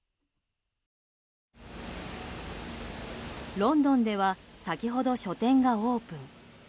ロンドンでは先ほど、書店がオープン。